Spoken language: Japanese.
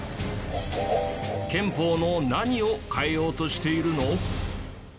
憲法の何を変えようとしているの？